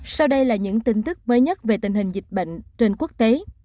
sau đây là những tin tức mới nhất về tình hình dịch bệnh trên quốc tế